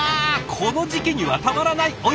この時期にはたまらない！